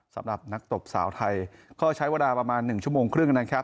สำหรับนักตบสาวไทยก็ใช้เวลาวันนึงชั่วโมงครึ่ง